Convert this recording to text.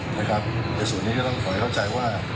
แต่ส่วนนี้ก็ต้องก่อนเข้าใจว่า